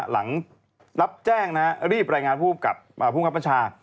หลังรับแจ้งนะฮะรีบรายงานผู้ขับประชา